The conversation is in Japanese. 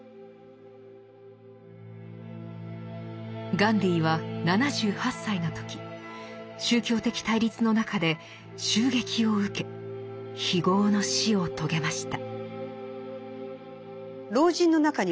ガンディーは７８歳の時宗教的対立の中で襲撃を受け非業の死を遂げました。